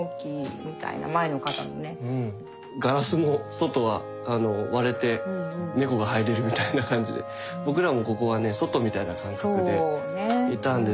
ガラスも外は割れて猫が入れるみたいな感じで僕らもここはね外みたいな感覚でいたんですけど。